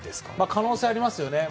可能性はありますね。